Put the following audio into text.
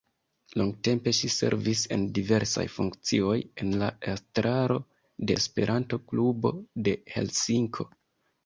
Longtempe ŝi servis en diversaj funkcioj en la estraro de Esperanto-Klubo de Helsinko.